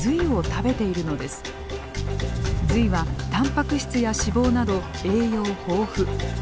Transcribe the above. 髄はたんぱく質や脂肪など栄養豊富。